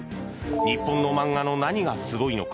日本の漫画の何がすごいのか。